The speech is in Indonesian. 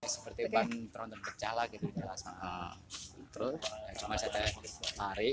seperti ban terontem pecah cuma saya tarik